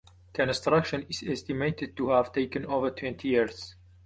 Construction is estimated to have taken over twenty years.